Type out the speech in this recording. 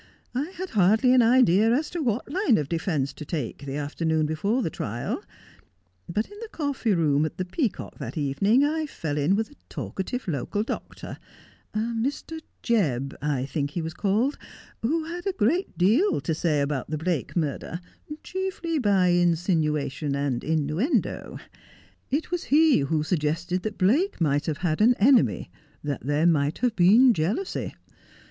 I had hardly an idea as to what line of defence to take the afternoon before the trial, but in the coffee room at the " Peacock " that evening I fell in with a talkative local doctor — a Mr. Jebb I think he was called — who had a great deal to say about the Blake murder, chiefly by insinuation and innu endo. It was he who suggested that Blake might have had an 148 Just as I Am. enemy — that there might have been jealousy.